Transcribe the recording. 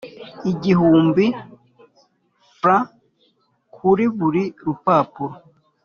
Igihumbi frws kuri buri rupapuro